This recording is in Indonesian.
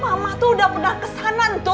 mama tuh udah pernah kesana tut